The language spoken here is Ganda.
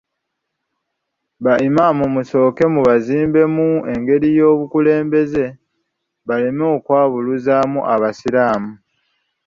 Ba Imam musooke mu bazimbe mu ngeri y'obukulembeze, baleme okwabuluzaamu abasiraamu.